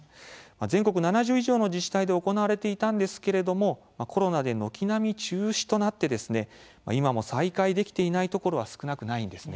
全国７０以上の自治体で行われていたんですがコロナで軒並み中止となって今も再開できていないところが少なくないんです。